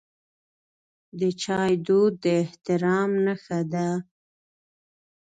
د چای دود د احترام نښه ده.